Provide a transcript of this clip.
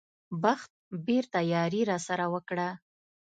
بخت بېرته یاري راسره وکړه.